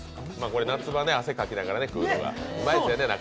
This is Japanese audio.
夏場汗かきながら食うのがうまいんですよね。